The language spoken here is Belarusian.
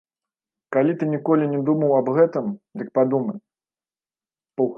Калі ты ніколі не думаў аб гэтым, дык падумай.